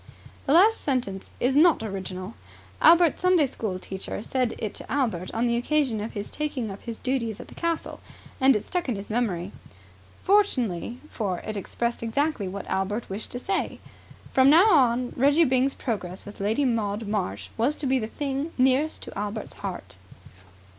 The last sentence is not original. Albert's Sunday school teacher said it to Albert on the occasion of his taking up his duties at the castle, and it stuck in his memory. Fortunately, for it expressed exactly what Albert wished to say. From now on Reggie Byng's progress with Lady Maud Marsh was to be the thing nearest to Albert's heart.